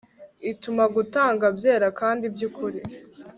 ituma gutanga byera kandi byukuri